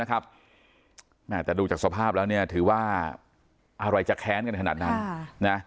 แต่ดูจากสภาพแล้วเนี่ยถือว่าอะไรจะแค้นกันขนาดนั้นนะ